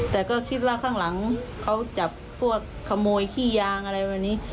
แต่คนข้างบ้านถูกยิน